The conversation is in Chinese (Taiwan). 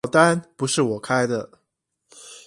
表單不是我開的